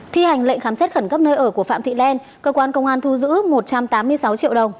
thi hành lệnh khám xét khẩn cấp nơi ở của phạm thị len cơ quan công an thu giữ một trăm tám mươi sáu triệu đồng